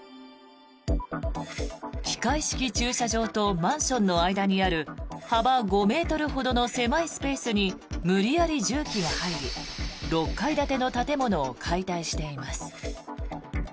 機械式駐車場とマンションの間にある幅５ｍほどの狭いスペースに無理やり重機が入り６階建ての建物を解体しています。